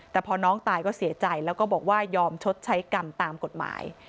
แต่พอน้องตายก็เสียใจแล้วก็บอกว่ายอมชดใช้กรรมตามกฎหมาย